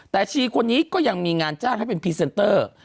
แต่ชีคนนี้ก็ยังมีงานจ้างให้เป็นพรีเซนเตอร์